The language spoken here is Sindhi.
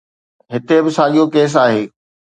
هتي به ساڳيو ڪيس آهي.